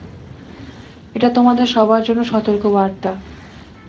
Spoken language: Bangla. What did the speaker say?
এটা তোমাদের সবার জন্য সতর্কবার্তা।